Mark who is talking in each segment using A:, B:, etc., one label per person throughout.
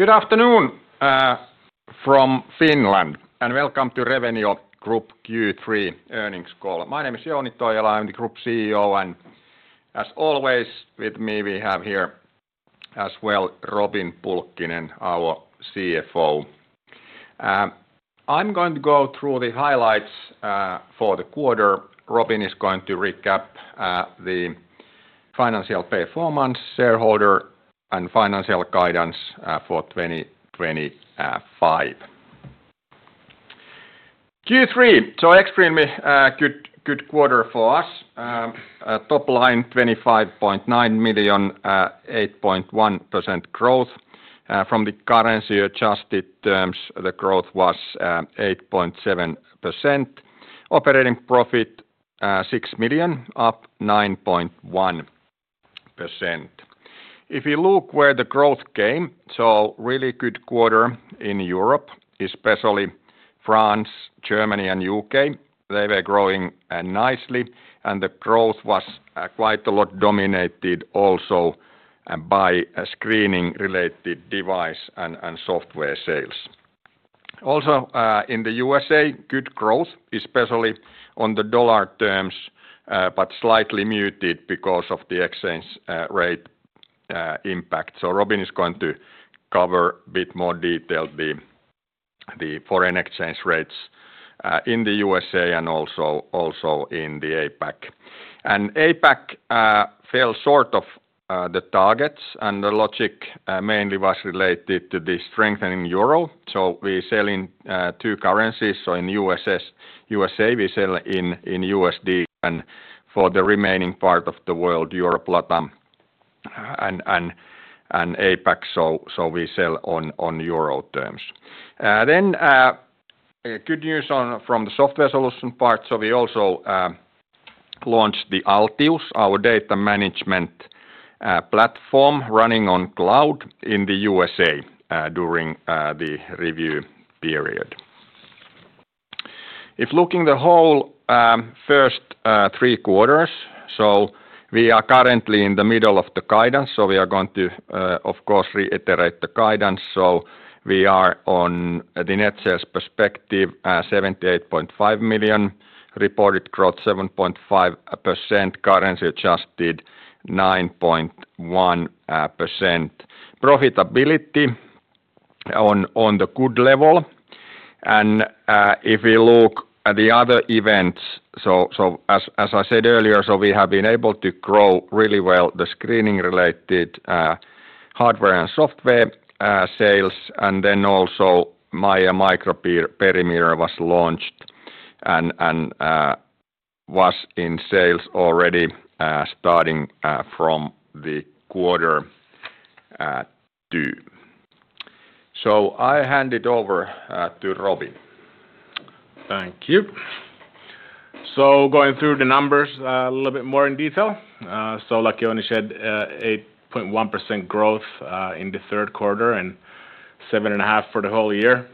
A: Good afternoon from Finland and welcome to Revenio Group Q3 earnings call. My name is Jouni Toijala, I'm the Group CEO and as always with me we have here as well Robin Pulkkinen, our CFO. I'm going to go through the highlights for the quarter. Robin is going to recap the financial performance, shareholder and financial guidance for 2025. Q3, extremely good quarter for us. Top line 25.9 million, 8.1% growth. From the currency-adjusted terms the growth was 8.7%. Operating profit 6 million, up 9.1%. If you look where the growth came, really good quarter in Europe, especially France, Germany, and U.K. They were growing nicely and the growth was quite a lot, dominated also by screening-related device and software sales. Also in the USA, good growth, especially on the dollar terms, but slightly muted because of the exchange rate impact. Robin is going to cover a bit more detail The foreign exchange rates in the U.S. and also in the APAC, and APAC fell short of the targets and the logic mainly was related to the strengthening Euro. We sell in two currencies, so in the U.S. we sell in USD and for the remaining part of the Europe, LATAM and APAC, we sell on Euro terms. Good news from the software solutions part. We also launched the ALTIUS, our data management platform running on cloud in the USA during the review period. If looking the whole first three quarters, we are currently in the middle of the guidance. We are going to of course reiterate the guidance. We are on the net sales perspective 78.5 million, reported growth 7.5%, currency-adjusted 9.1%, profitability on the good level. If we look at the other events, as I said earlier, we have been able to grow really well the screening-related hardware and software sales. Also, MAIA microperimeter was launched and was in sales already starting from the quarter due. I hand it over to Robin. Thank you.
B: Going through the numbers a little bit more in detail. Like Jouni said, 8.1% growth in the third quarter and 7.5% for the whole year.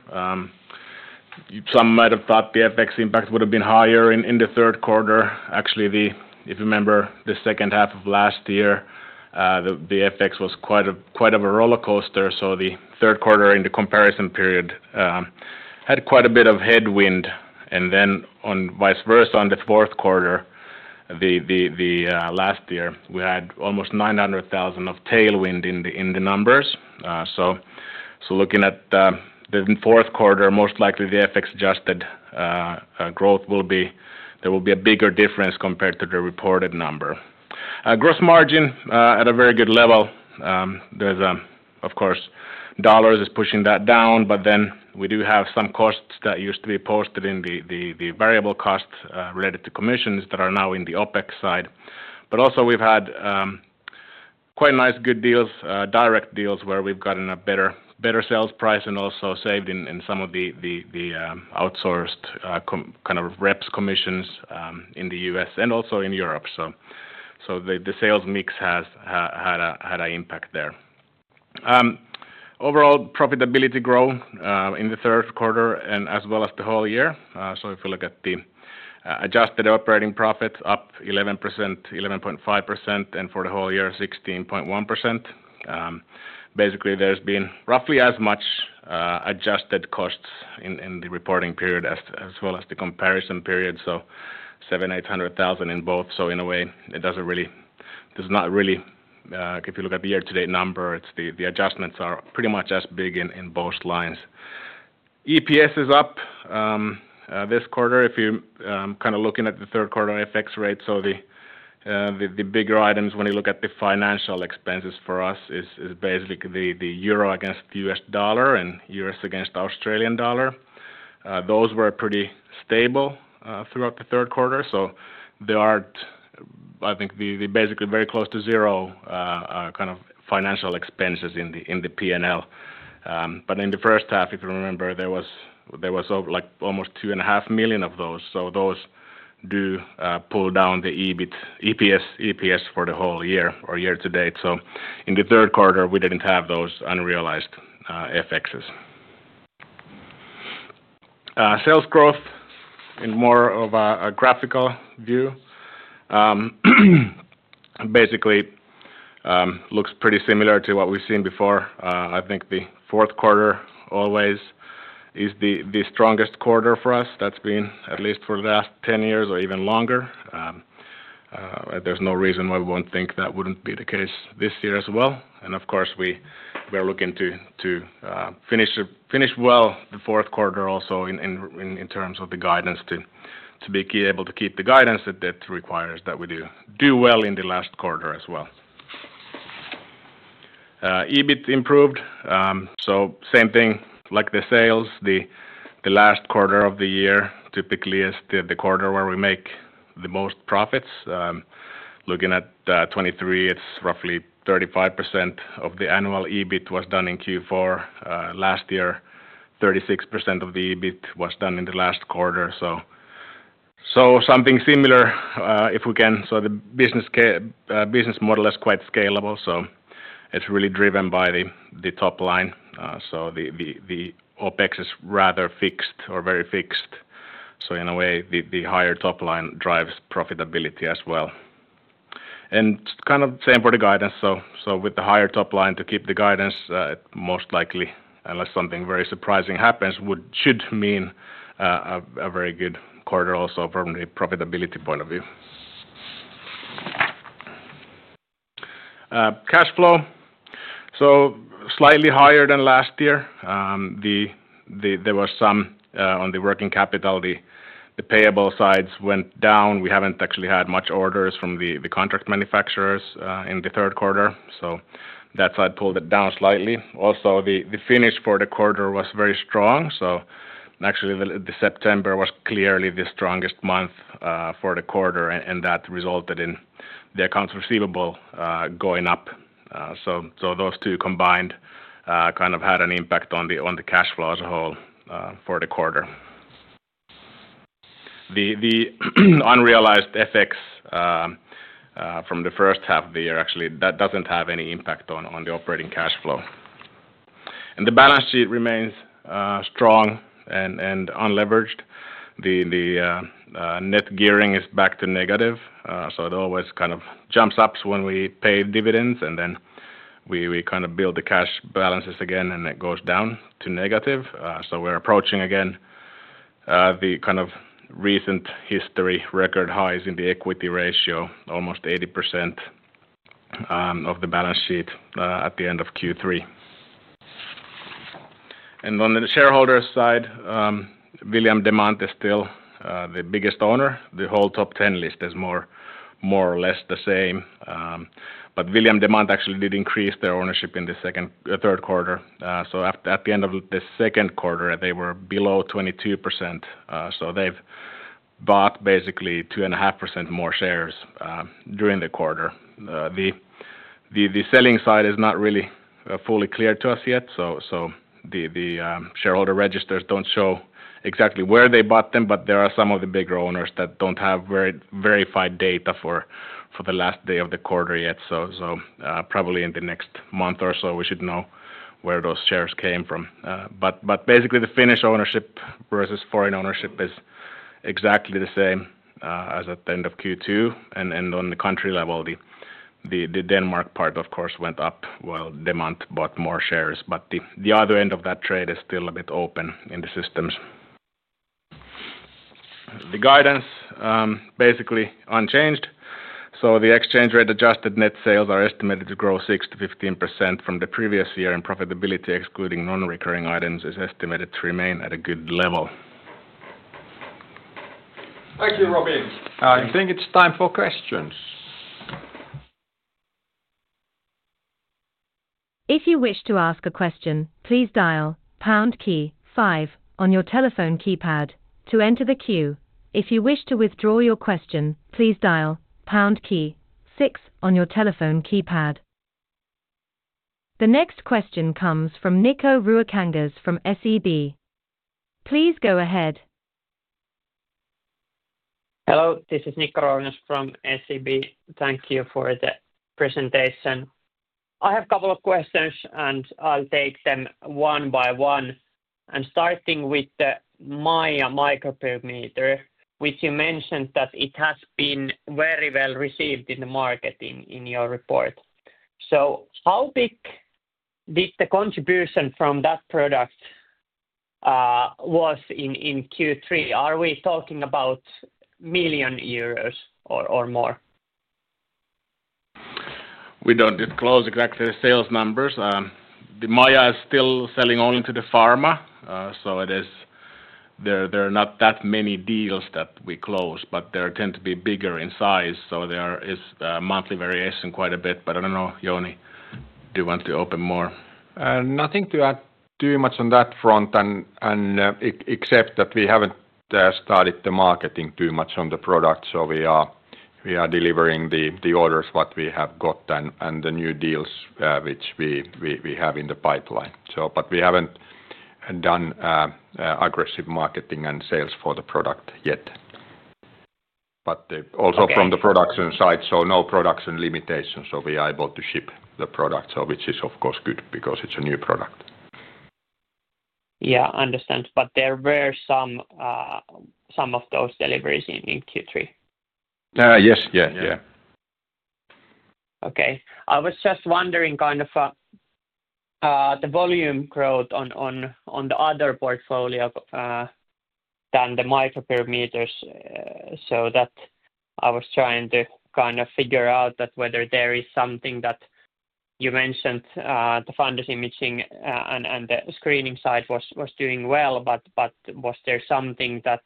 B: Some might have thought the FX impact would have been higher in the third quarter. Actually, if you remember, the second half of last year the FX was quite a roller coaster. The third quarter in the comparison period had quite a bit of headwind and vice versa on the Fourth quarter. Last year we had almost 900,000 of tailwind in the numbers. Looking at the fourth quarter, most likely the FX-adjusted growth will be there will be a bigger difference compared to the reported number. Gross margin at a very good level. Of course, dollars is pushing that down, but we do have some costs that used to be posted in the variable cost related to commissions that are now in the OpEx side. Also, we've had quite nice good deals, direct deals where we've gotten a better sales price and also saved in some of the outsourced kind of reps commissions in the U.S. and also in Europe. The sales mix has had an impact there. Overall profitability grew in the third quarter and as well as the whole year. If you look at the adjusted operating profit, up 11%, 11.5%, and for the whole year 16.1%. Basically, there's been roughly as much adjusted costs in the reporting period as well as the comparison period, so 700,000, 800,000 in both. In a way, it does not really, if you look at the year-to-date number, the adjustments are pretty much as big in both lines. EPS is up this quarter if you are kind of looking at the third quarter FX rate. The bigger items when you look at the financial expenses for us is basically the Euro against US dollar and U.S. against Australian dollar. Those were pretty stable throughout the third quarter. There are, I think, basically very close to zero kind of financial expenses in the P&L. In the first half, if you remember, there was like almost 2.5 million of those. Those do pull down the EBIT, EPS for the whole year or year-to-date. In the third quarter, we didn't have those unrealized FXs. Sales growth in more of a graphical view basically looks pretty similar to what we've seen before. I think the fourth quarter always is the strongest quarter for us. That's been at least for the last 10 years or even longer. There is no reason why we won't think that wouldn't be the case this year as well. Of course, we're looking to finish well the fourth quarter. Also, in terms of the guidance, to be able to keep the guidance, that requires that we do well in the last quarter as well. EBIT improved, so same thing like the sales. The last quarter of the year typically is the quarter where we make the most profits. Looking at 2023, it's roughly 35% of the annual EBIT was done in Q4 last year. 36% of the EBIT was done in the last quarter. Something similar if we can. The business model is quite scalable. It's really driven by the top line. The OpEx is rather fixed or very fixed. In a way, the higher top line drives profitability as well and kind of same for the guidance. With the higher top line to keep the guidance, most likely, unless something very surprising happens, should mean a very good quarter. Also from the profitability point of view. Cash flow is slightly higher than last year. There were some on the working capital, the payable sides went down. We haven't actually had much orders from the contract manufacturers in the third quarter, so that side pulled it down slightly. The finish for the quarter was very strong. September was clearly the strongest month for the quarter and that resulted in the accounts receivable going up. Those two combined kind of had an impact on the cash flow as a whole for the quarter. The unrealized FX from the first half of the year actually doesn't have any impact on the operating cash flow. The balance sheet remains strong and unleveraged. The net gearing is back to negative. It always kind of jumps up when we pay dividends and then we kind of build the cash balances again and it goes down to negative. We're approaching again the kind of recent history record highs in the equity ratio, almost 80% of the balance sheet at the end of Q3. On the shareholders side, William Demant is still the biggest owner. The whole top 10 list is more or less the same. William Demant actually did increase their ownership in the third quarter. At the end of the second quarter they were below 22%. They've bought basically 2.5% more shares during the quarter. The selling side is not really fully clear to us yet. The shareholder registers don't show exactly where they bought them. There are some of the bigger owners that don't have verified data for the last day of the quarter yet. Probably in the next month or so we should know where those shares came from. Basically, the Finnish ownership versus foreign ownership is exactly the same as at the end of Q2. On the country level, the Denmark part of course went up while Demant bought more shares. The other end of that trade is still a bit open in the systems. The guidance is basically unchanged. The currency-adjusted net sales are estimated to grow 6%-15% from the previous year, and profitability excluding non-recurring items is estimated to remain at a good level.
A: Thank you, Robin. I think it's time for questions.
C: If you wish to ask a question, please dial pound key on your telephone keypad to enter the queue. If you wish to withdraw your question, please dial pound key six on your telephone keypad. The next question comes from Nikko Ruokangas from SEB. Please go ahead.
D: Hello, this is Nikko Ruokangas from SEB. Thank you for the presentation. I have a couple of questions and I'll take them one by one, starting with MAIA microperimeter, which you mentioned that it has been very well received in the market in your report. How big did the contribution from that product was in Q3? Are we talking about million euros or more?
B: We don't disclose exactly the sales numbers. The MAIA is still selling only to the pharma. There are not that many deals that we close, but they tend to be bigger in size. There is monthly variation quite a bit, but I don't know. Jouni, do you want to open more?
A: Nothing to add too much on that front except that we haven't started the marketing too much on the product. We are delivering the orders we have got and the new deals which we have in the pipeline. We haven't done aggressive marketing and sales for the product yet. Also, from the production side, no production limitations. We are able to ship the product, which is of course good because it's a new product.
D: I understand. There were some of those deliveries in Q3.
A: Yes.
D: Okay. I was just wondering about the volume growth on the other portfolio than the microperimeters. I was trying to figure out whether there is something, because you mentioned the fundus imaging and the screening side was doing well, but was there something that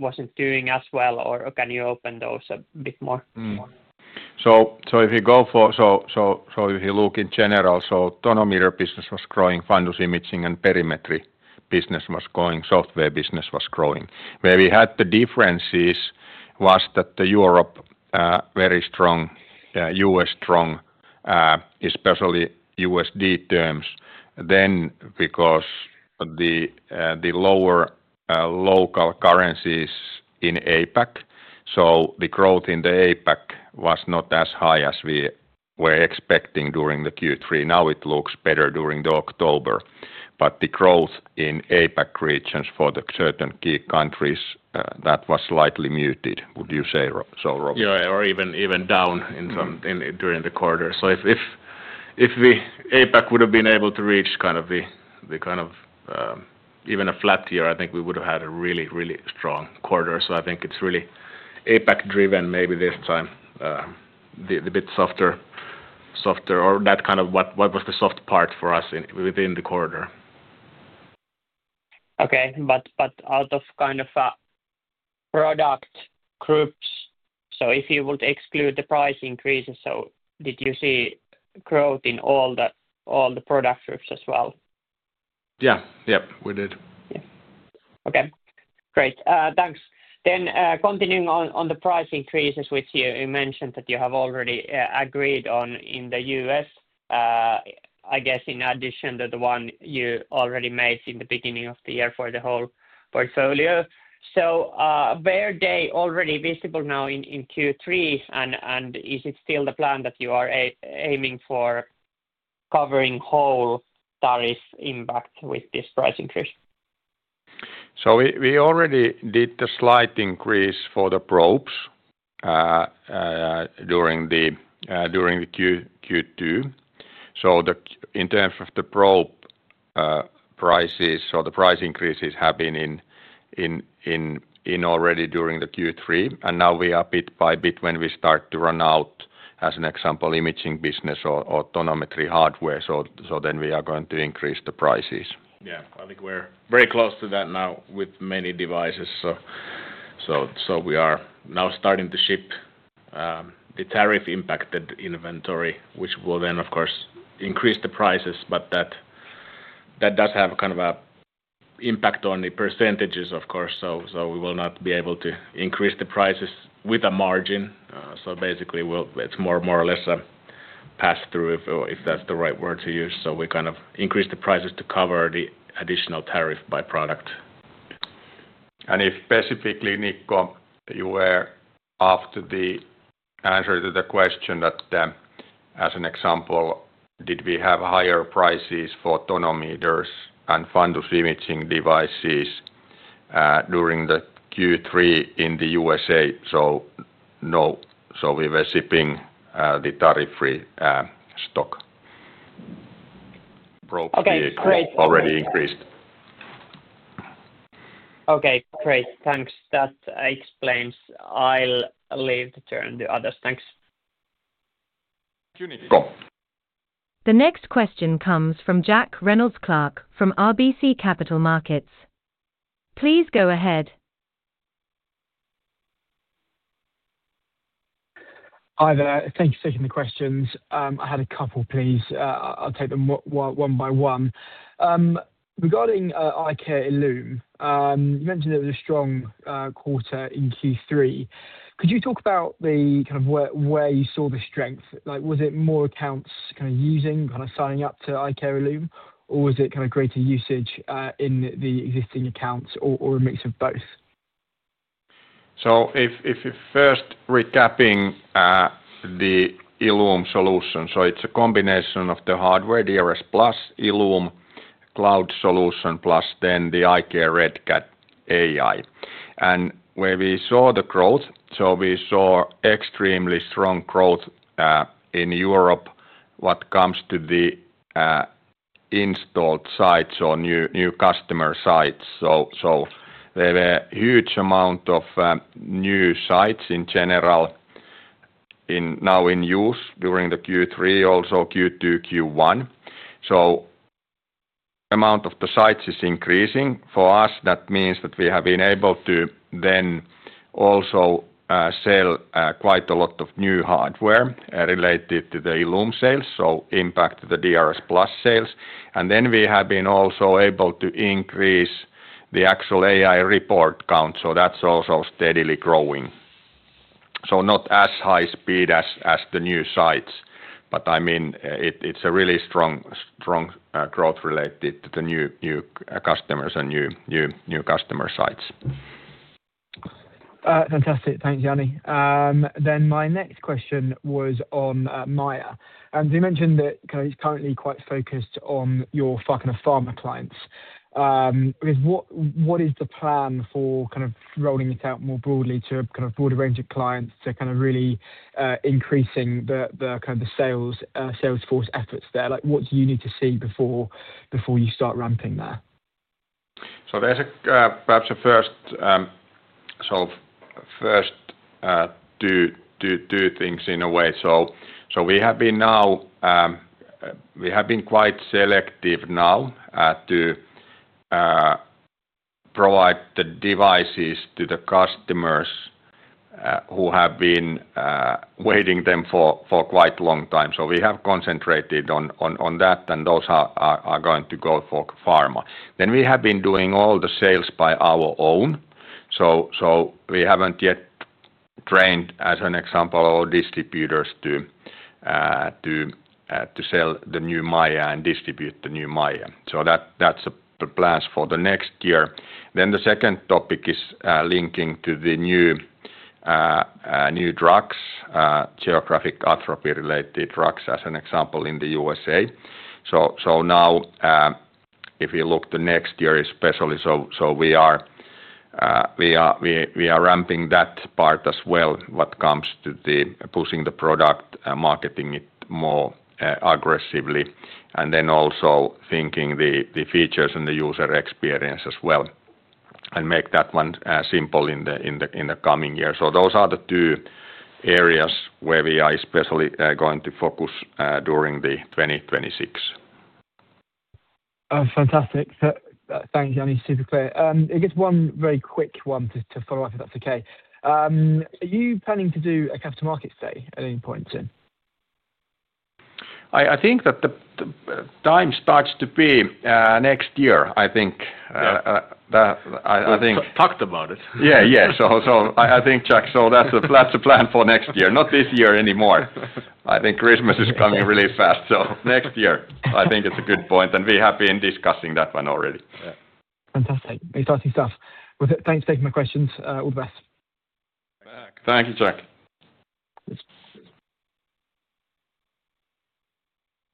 D: wasn't doing as well, or can you open those a bit more?
A: If you look in general, the tonometer business was growing Fundus imaging and perimetry business was going. Software business was growing. Where we had the differences, where was that? Europe very strong. U.S. strong, especially USD terms, then because the lower local currencies in APAC. The growth in the APAC was not as high as we were expecting during Q3. Now it looks better during October. The growth in APAC regions for the certain key countries, that was slightly muted. Would you say so, Rob?
B: Even down during the quarter. If the APAC would have been able to reach kind of the, kind of even a flat tier, I think we would have had a really, really strong quarter. I think it's really APAC driven. Maybe this time a bit softer, softer or that kind of, what was the soft part for us within the quarter.
D: Out of kind of product groups, if you would exclude the price increases, did you see growth in all the product groups as well?
A: Yeah, yep, we did.
D: Okay, great, thanks. Continuing on the price increases which you mentioned that you have already agreed on in the U.S., I guess in addition to the one you already made in the beginning of the year for the whole portfolio. Were they already visible now in Q3, and is it still the plan that you are aiming for covering whole tariff impact with this price increase?
A: We already did a slight increase for the probes during the Q2. In terms of the probe prices or the price increases have been in already during the Q3, and now we are bit by bit when we start to run out as an example imaging business or tonometry hardware. Then we are going to increase the prices.
B: Yeah, I think we're very close to that now with many devices. We are now starting to ship the tariff-impacted inventory, which will then, of course, increase the prices. That does have kind of an impact on the percentages, of course. We will not be able to increase the prices with a margin. It's more or less a pass-through, if that's the right word to use. We increase the prices to cover the additional tariff by product.
A: If specifically, you were after the answer to the question that as an example, did we have higher prices for tonometers and fundus imaging devices during Q3 in the USA? No, we were shipping the tariff-free stock probe already increased.
D: Okay, great, thanks. That explains. I'll leave the turn to others. Thanks.
C: The next question comes from Jack Reynold- Clark from RBC Capital Markets. Please go ahead.
E: Hi there. Thank you for taking the questions. I had a couple please. I'll take them one by one. Regarding iCare ILLUME, you mentioned it was a strong quarter in Q3. Could you talk about where you saw the strength? Was it more accounts signing up to iCare ILLUME, or was it greater usage in the existing accounts, or a mix of both?
A: If you first recap the ILLUME solution, it's a combination of the hardware DRSplus ILLUME cloud solution plus then the iCare RETCAD AI and where we saw the growth. We saw extremely strong growth in Europe when it comes to the installed sites or new customer sites. There were a huge amount of new sites in general now in use during Q3, also Q2 and Q1, so the amount of the sites is increasing. For us, that means that we have been able to then also sell quite a lot of new hardware related to the ILLUME sales, so it impacts the DRSplus sales. We have also been able to increase the actual AI report count, so that's also steadily growing, not at as high speed as the new sites, but it's a really strong growth related to the new customers and new customer sites.
E: Fantastic. Thanks, Jouni. My next question was on MAIA. You mentioned that it's currently quite focused on your pharma clients. What is the plan for rolling it out more broadly to a broader range of clients to really increasing the salesforce efforts there? What do you need to see before you start ramping there?
A: There are perhaps two things in a way. We have been quite selective now to provide the devices to the customers who have been waiting for them for quite a long time. We have concentrated on that and those are going to go for pharma. We have been doing all the sales by our own. We haven't yet trained, as an example, all distributors to sell the new MAIA and distribute the new MAIA. That's the plan for next year. The second topic is linking to the new drugs, geographic atrophy related drugs as an example in the USA. If you look to next year especially, we are ramping that part as well. What comes to pushing the product, marketing it more aggressively, and then also thinking about the features and the user experience as well, and make that one simple in the coming years. Those are the two areas where we are especially going to focus during 2026.
E: Fantastic. Jouni. Super clear. I guess one very quick one to follow up if that's okay. Are you planning to do a capital markets day at any point soon?
A: I think the time starts to be next year.
B: Talked about it.
A: Yeah, I think Jack. That's the plan for next year, not this year anymore. I think Christmas is coming really fast. Next year, I think it's a good point and we have been discussing that one already.
E: Fantastic, exciting stuff. Thanks for taking my questions. All the best.
A: Thank you, Jack.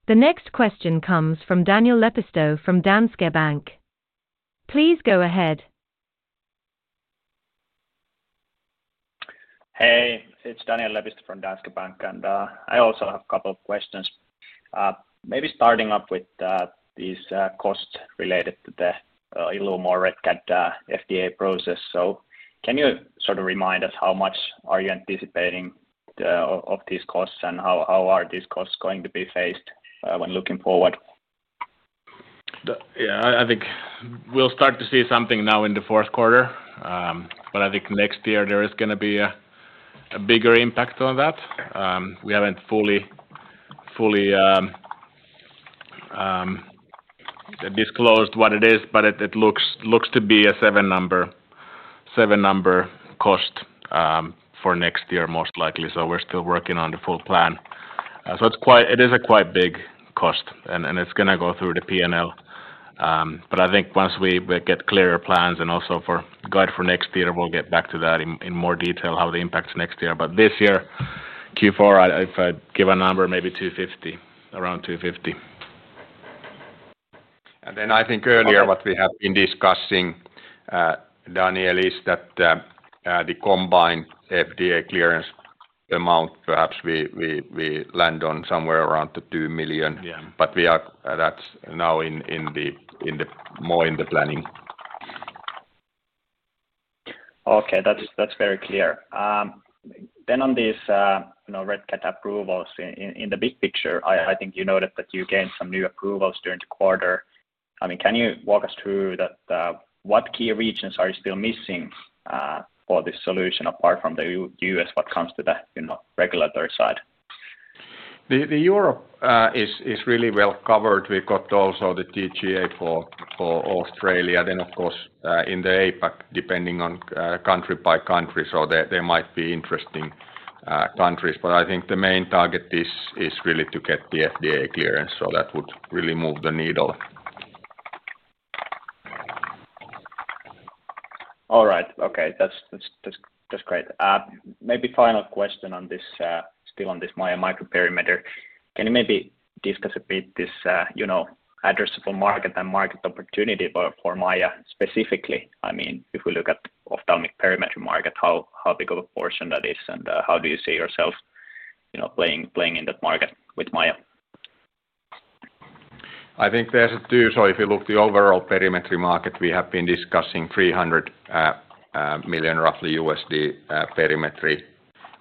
C: The next question comes from Daniel Lepistö from Danske Bank. Please go ahead.
F: Hey, it's Daniel Lepistö from Danske Bank and I also have a couple of questions. Maybe starting up with these costs related to the ILLUME or RETCAD FDA process. Can you sort of remind us how much are you anticipating of these costs, and how are these costs going to be faced when looking forward?
B: I think we'll start to see something now in the fourth quarter, but I think next year there is going to be a bigger impact on that. We haven't fully disclosed what it is, but it looks to be a seven-figure cost for next year most likely. We're still working on the full plan. It is quite a big cost and it's going to go through the P&L. I think once we get clearer plans and also guidance for next year, we'll get back to that in more detail on how it impacts next year. This year, Q4, if I give a number, maybe 250,000. Around 250,000.
A: Earlier, what we have been discussing, Daniel, is that the combined FDA clearance amount, perhaps we land on somewhere around $2 million. We are, that's now more in the planning.
F: Okay, that's very clear then on these RETCAD approvals. In the big picture, I think you noted that you gained some new approvals during the quarter. Can you walk us through that? What key regions are you still missing for this solution apart from the U.S. when it comes to the regulatory side?
A: Europe is really well covered. We've got also the TGA for Australia, and of course in the APAC, depending on country by country, there might be interesting countries. I think the main target is really to get the FDA clearance. That would really move the needle.
F: All right. Okay, that's great. Maybe final question on this. Still on this MAIA microperimeter. Can you maybe discuss a bit this, you know, addressable market and market opportunity for MAIA specifically? I mean if we look at ophthalmic perimetric market, how big of a portion that is and how do you see yourself, you know, playing in that market with MAIA?
A: I think there's two. If you look at the overall perimetry market, we have been discussing $300 million roughly perimetry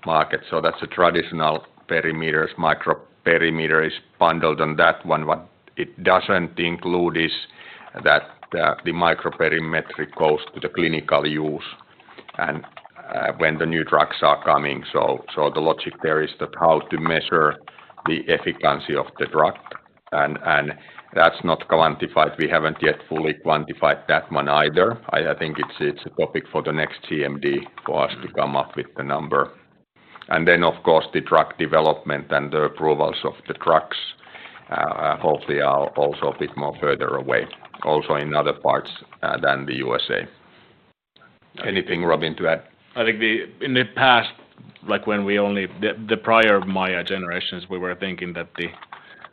A: market. That's traditional perimeters. Microperimeter is bundled on that one. What it doesn't include is that the microperimetry goes to the clinical use, and when the new drugs are coming. The logic there is that how to measure the efficiency of the drug, and that's not quantified. We haven't yet fully quantified that one either. I think it's a topic for the next CMD for us to come up with the number. Of course, the drug development and the approvals of the drugs hopefully are also a bit more further away also in other parts than the USA. Anything, Robin, to add.
B: I think in the past, like when we only had the prior MAIA generations, we were thinking that the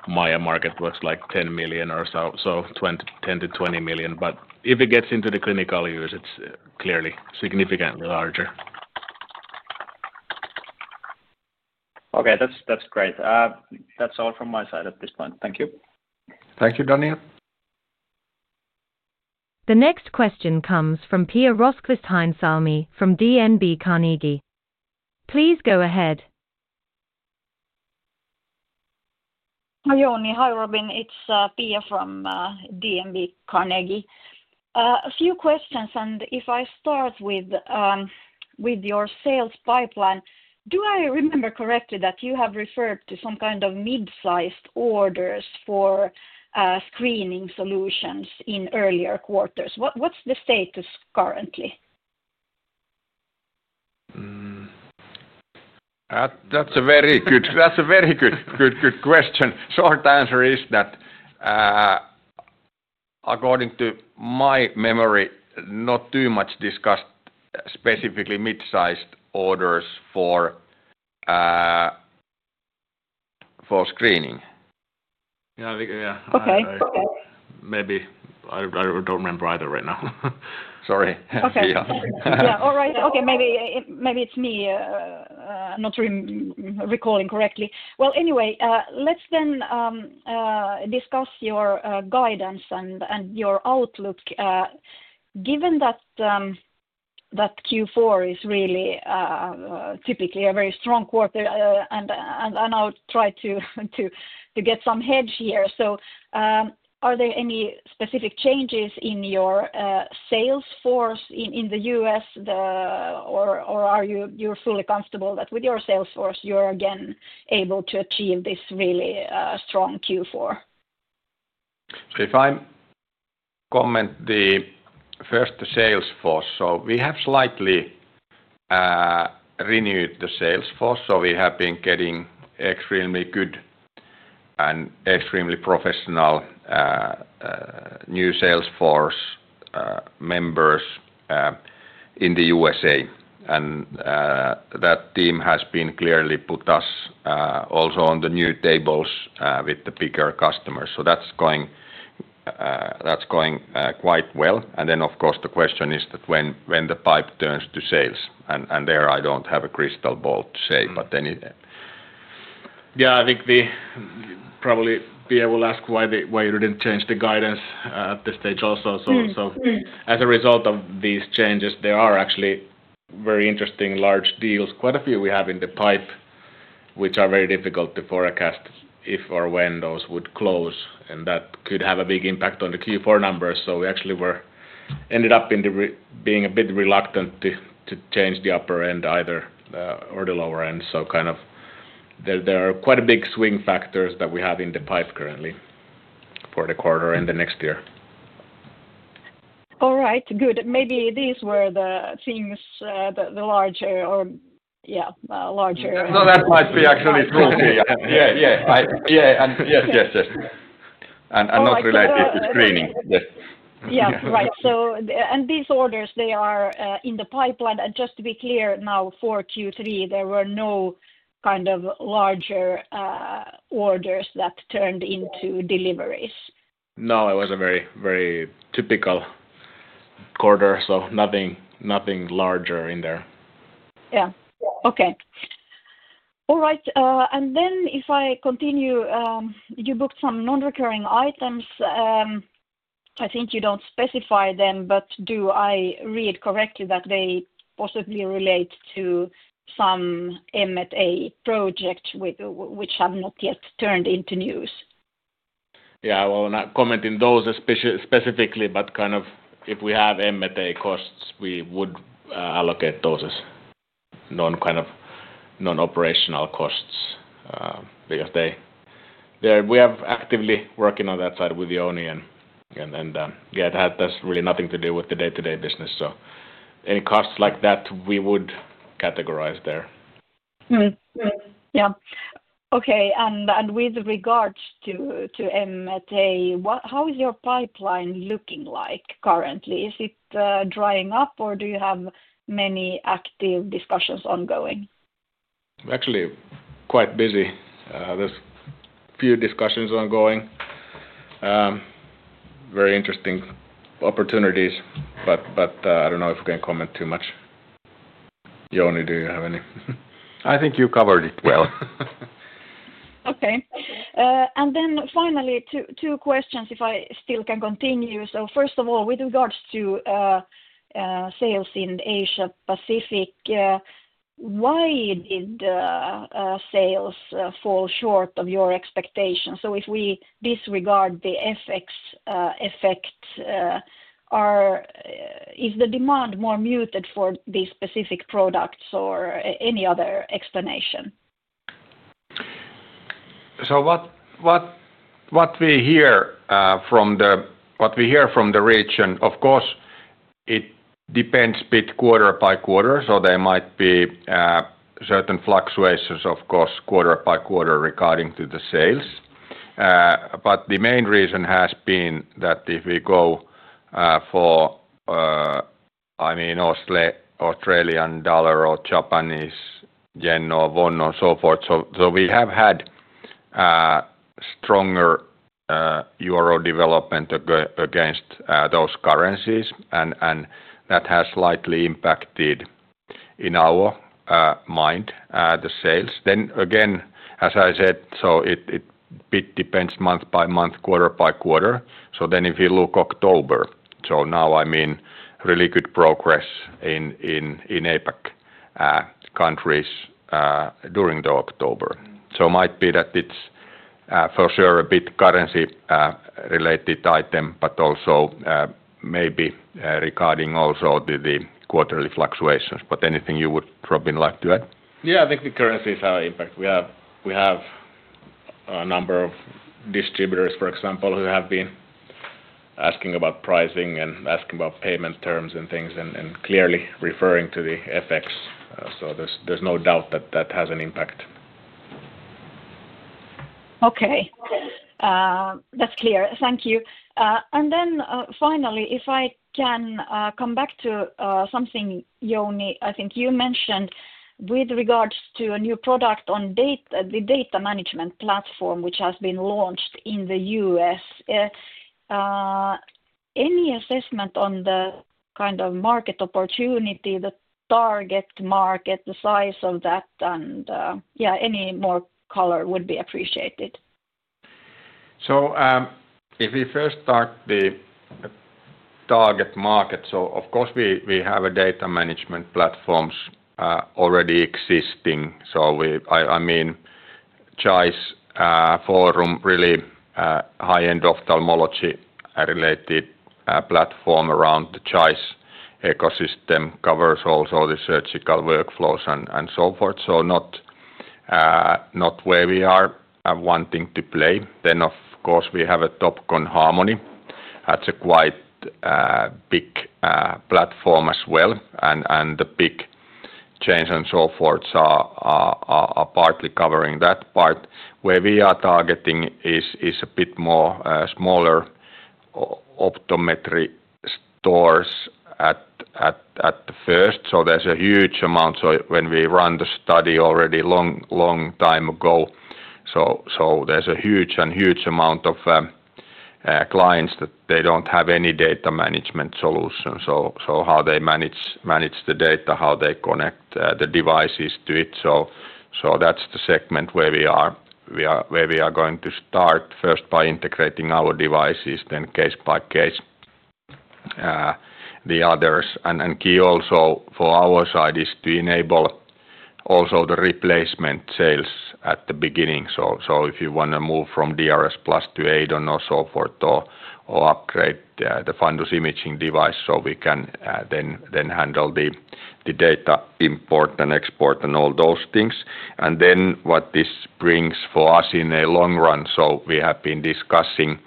B: MAIA market was like 10 million or so, 10 million-20 million. If it gets into the clinical use, it's clearly significantly larger.
F: Okay, that's great. That's all from my side at this point. Thank you.
A: Thank you, Daniel.
C: The next question comes from Pia Roskvist-Heinsalmi from DNB Carnegie. Please go ahead.
G: Hi Robin, it's Pia from DNB Carnegie. A few questions, and if I start with your sales pipeline, do I remember correctly that you have referred to some kind of mid-sized orders for screening solutions in earlier quarters? What's the status currently?
A: That's a very good question. Short answer is that, according to my memory, not too much discussed, specifically mid sized orders for screening.
B: Maybe I don't remember either right now.
A: Sorry.
G: All right, okay. Maybe it's me not recalling correctly. Anyway, let's then discuss your guidance and your outlook given that Q4 is really typically a very strong quarter. I'll try to get some hedge here. Are there any specific changes in your sales force in the U.S., or are you fully comfortable that with your sales force you're again able to achieve this really strong Q4?
A: If I comment the first salesforce, we have slightly renewed the sales force. We have been getting extremely good and extremely professional new salesforce members in the USA, and that team has clearly put us also on the new tables with the bigger customers. That's going quite well. Of course, the question is when the pipe turns to sales, and there I don't have a crystal ball to say, but any.
B: Yeah, I think probably Pia will ask why you didn't change the guidance at this stage also. As a result of these changes, there are actually very interesting large deals, quite a few we have in the pipe, which are very difficult to forecast if or when those would close, and that could have a big impact on the Q4 numbers. We actually ended up being a bit reluctant to change the upper end either or the lower end. There are quite a big swing factors that we have in the pipe currently for the quarter and the next year.
G: All right, good. Maybe these were the things, the larger or, yeah, larger.
A: That might be actually yes, yes, yes, and not related to screening.
G: Right. These orders are in the pipeline. Just to be clear, now for Q3, there were no kind of larger orders that turned into deliveries?
B: It was a very, very typical quarter. Nothing larger in there.
G: Yeah. Okay. All right. If I continue, you booked some non-recurring items. I think you don't specify them, but do I read correctly that they possibly relate to some M&A project which have not yet turned into news?
B: Yeah, I will not comment on those specifically, but if we have M&A costs, we would allocate those as non-operational costs because we are actively working on that side with the M&A. That's really nothing to do with the day-to-day business. Any costs like that, we would categorize there.
G: Okay. With regards to M&A activity, how is your pipeline looking like currently? Is it drying up or do you have many active discussions? Ongoing.
B: Actually quite busy. a few discussions, ongoing, very interesting opportunities. I don't know if we can comment too much. Jouni, do you have any?
A: I think you covered it well.
G: Okay. Finally, two questions, if I still can continue. First of all, with regards to sales in Asia-Pacific, why did sales fall short of your expectations? If we disregard the FX effect, is the demand more muted for these specific products or any other explanation?
A: What we hear from the region, of course, it depends a bit quarter by quarter. There might be certain fluctuations, of course, quarter by quarter regarding the sales. The main reason has been that if we go for, I mean, Australian dollar or Japanese yen or won and so forth, we have had stronger Euro development against those currencies, and that has slightly impacted, in our mind, the sales. Again, as I said, it depends month by month, quarter by quarter. If you look at October, now, I mean, really good progress in APAC countries during October. It might be that it's for sure a bit currency-related item, but also maybe regarding the quarterly fluctuations. Anything you would, Robin, like to add?
B: Yeah, I think the currencies have an impact. We have a number of distributors, for example, who have been asking about pricing and asking about payment terms and things, clearly referring to the FX. There's no doubt that that has an impact.
G: Okay, that's clear. Thank you. Finally, if I can come back to something, Jouni, I think you mentioned with regards to a new product on the data management platform which has been launched in the U.S. Any assessment on the kind of market opportunity, the target market, the size of that, and yeah, any more color would be appreciated.
A: If we first start with the target market, we have data management platforms already existing. Choice Forum is a really high-end ophthalmology-related platform around the Choice ecosystem, which also covers the surgical workflows and so forth. That is not where we are wanting to play. Then we have Topcon Harmony, which is quite a big platform as well, and the biggest chains and so forth are partly covering that part. Where we are targeting is a bit more smaller optometry stores at first. There is a huge amount. When we ran the study already a long, long time ago, there is a huge amount of clients that do not have any data management solution. How they manage the data, how they connect the devices to it, that is the segment where we are going to start first by integrating our devices, then case by case the others. Key also for our side is to enable the replacement sales at the beginning. If you want to move from DRSplus to EIDON or so forth or upgrade the fundus imaging device, we can then handle the data import and export and all those things. What this brings for us in the long run is that we have been discussing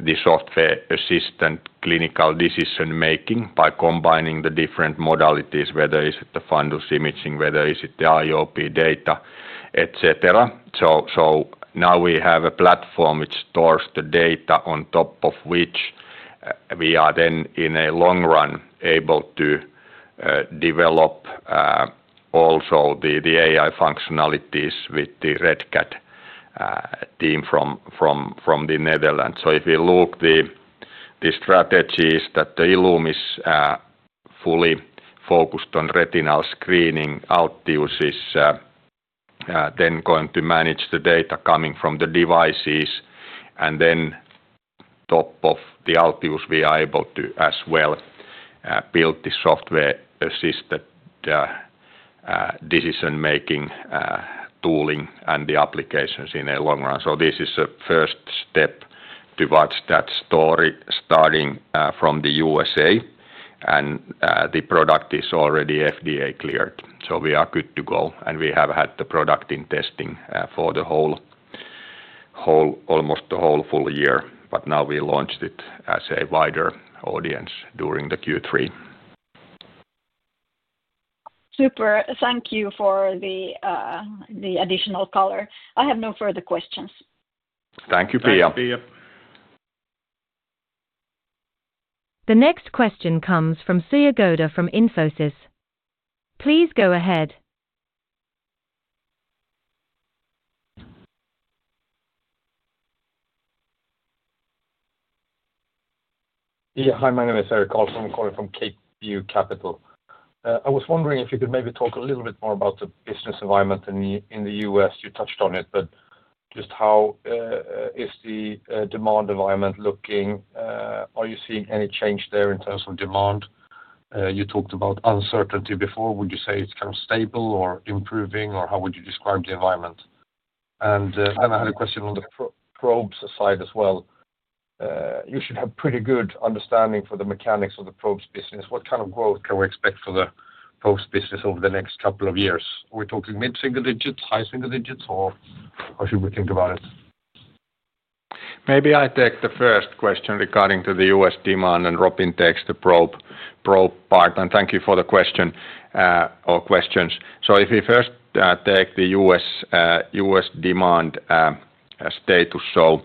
A: the software-assisted clinical decision making by combining the different modalities, whether it is the fundus imaging, whether it is the IOP data, etc. Now we have a platform which stores the data, on top of which we are then in the long run able to develop the AI functionalities with the RETCAD team from the Netherlands. If you look at the strategies, the ILLUME is fully focused on retinal screening. ALTIUS is then going to manage the data coming from the devices, and on top of ALTIUS we are able to build the software-assisted decision making tooling and the applications in the long run. This is a first step towards that story, starting from the USA, and the product is already FDA cleared, so we are good to go. We have had the product in testing for almost the whole full year, but now we launched it to a wider audience during Q3.
G: Super. Thank you for the additional color. I have no further questions.
A: Thank you, Pia.
C: The next question comes from Sue Goda from Infosys. Please go ahead.
H: Hi, my name is Eric Carlson, I'm calling from CapeView Capital. I was wondering if you could maybe talk a little bit more about the business environment in the U.S. You touched on it, but just how is the demand environment looking? Are you seeing any change there in terms of demand? You talked about uncertainty before. Would you say it's kind of stable or improving or how would you describe the environment? I had a question on the probes side as well. You should have pretty good understanding for the mechanics of the probes business. What kind of growth can we expect for the probes business over the next couple of years? We're talking mid single digits, high single digits or how should we think about it?
A: Maybe I take the first question regarding the U.S. demand and Robin takes the probe part and thank you for the question or questions. If we first take the U.S. demand status,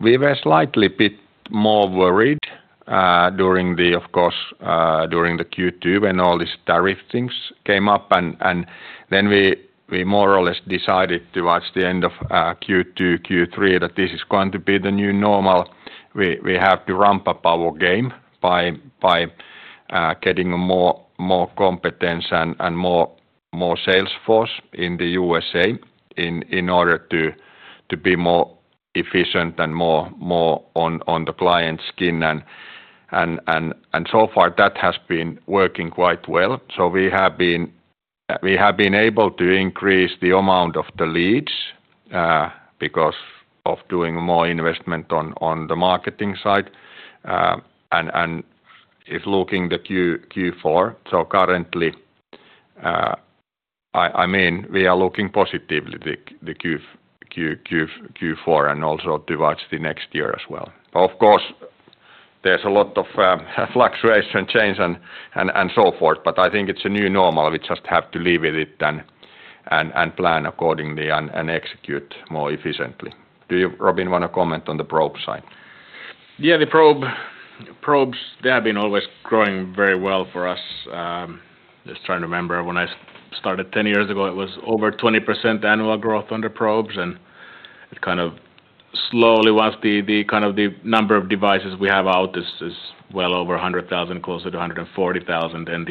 A: we were slightly bit more worried during the, of course, during Q2 when all these tariff things came up and then we more or less decided towards the end of Q2, Q3 that this is going to be the new normal. We have to ramp up our game by getting more competence and more sales force in the USA in order to be more efficient and more on the client's skin. That has been working quite well. We have been able to increase the amount of the leads because of doing more investment on the marketing side and is looking the Q4. Currently, I mean we are looking positively to Q4 and also towards the next year as well. Of course there's a lot of fluctuation, change and so forth, but I think it's a new normal. We just have to live with it and plan accordingly and execute more efficiently. Do you, Robin, want to comment on the probe side?
B: Yeah, the probes have been always growing very well for us. I remember when I started 10 years ago it was over 20% annual growth on the probes, and once the number of devices we have out is well over 100,000, closer to 140,000, and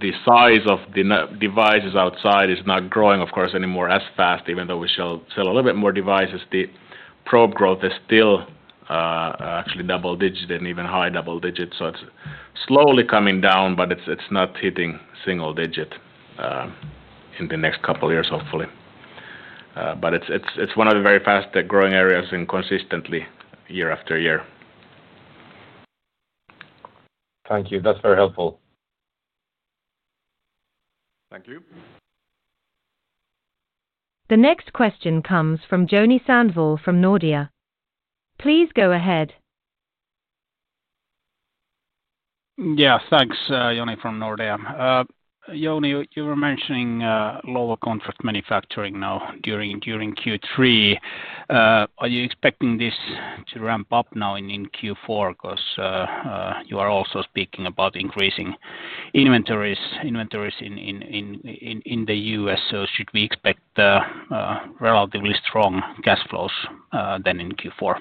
B: the size of the devices outside is not growing as fast anymore. Even though we still sell a little bit more devices, the probe growth is still actually double digit and even high double digits. It's slowly coming down, but it's not hitting single digit in the next couple years hopefully. It's one of the very fast growing areas consistently year after year.
H: Thank you, that's very helpful.
A: Thank you.
C: The next question comes from Joni Sandvall from Nordea. Please go ahead.
I: Yeah, thanks Joni from Nordea. Jouni, you were mentioning lower contract manufacturing now during Q3. Are you expecting this to ramp up now in Q4 because you are also speaking about increasing inventories in the U.S.? Should we expect relatively strong cash flows then in Q4?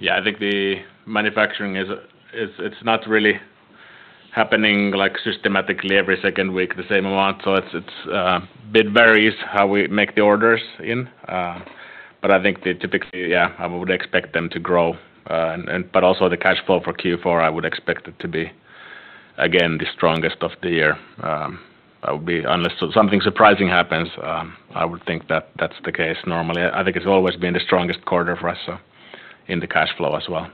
B: Yeah, I think the manufacturing is not really happening like systematically every second week the same amount. It varies how we make the orders in, but I think typically I would expect them to grow. Also, the cash flow for Q4, I would expect it to be, again, the strongest of the year, unless something surprising happens. I would think that that's the case normally. I think it's always been the strongest quarter for us in the cash flow as well.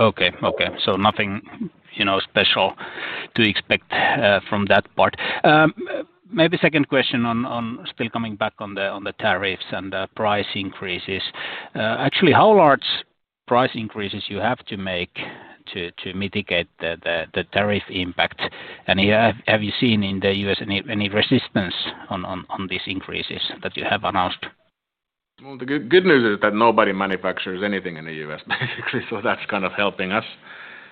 I: Okay. Nothing special to expect from that part, maybe. Second question, still coming back on the tariffs and price increases, actually, how large price increases do you have to make to mitigate the tariff impact? Have you seen in the U.S. any resistance on these increases that you have announced?
B: The good news is that nobody manufactures anything in the U.S. basically. That's kind of helping us.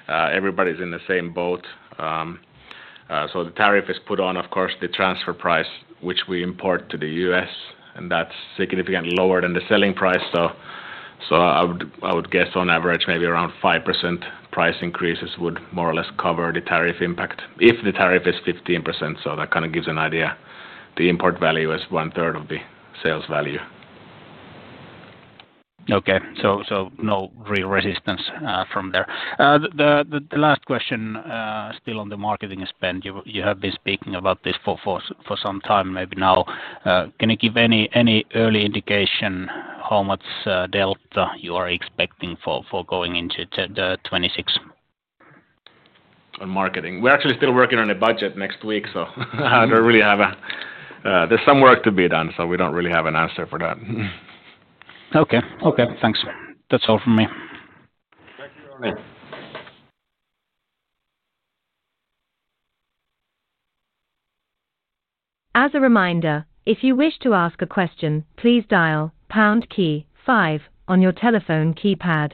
B: Everybody's in the same boat. The tariff is put on, of course, the transfer price, which we import to the U.S., and that's significantly lower than the selling price. I would guess on average maybe around 5% price increases would more or less cover the tariff impact if the tariff is 15%. That kind of gives an idea. The import value is one third of the sales value.
I: Okay, no real resistance from there. The last question, still on the marketing spend. Been speaking about this for some time, maybe now, can you give any early indication how much delta you are expecting for going into 2026 on marketing?
B: We're actually still working on a budget next week, so there's some work to be done. We don't really have an answer for that.
I: Okay, thanks. That's all from me.
A: Thank you, Joni.
C: As a reminder, if you wish to ask a question, please dial on your telephone keypad.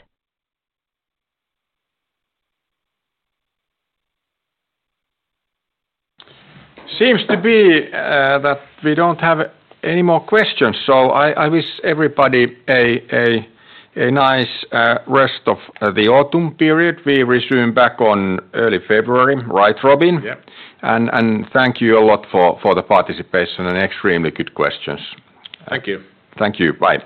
A: It seems that we don't have any more questions. I wish everybody a nice rest of the autumn period. We resume back in early February, right, Robin? Thank you a lot for the participation and extremely good questions.
B: Thank you.
A: Thank you. Bye.